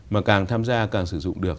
mà càng tham gia càng sử dụng được